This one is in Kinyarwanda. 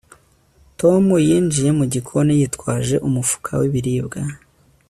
Tom yinjiye mu gikoni yitwaje umufuka w ibiribwa